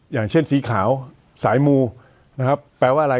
อย่างเช่นสีขาวสายมูนะครับแปลว่าอะไร